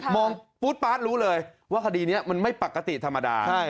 งปู๊ดป๊าดรู้เลยว่าคดีนี้มันไม่ปกติธรรมดา